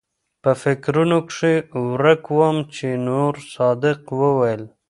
پۀ فکرونو کښې ورک ووم چې نورصادق وويل